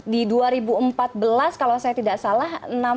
di dua ribu empat belas kalau saya tidak salah